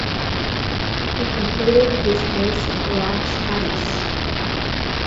He completed his basic law studies.